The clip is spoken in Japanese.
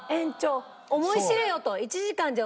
思い知れよと。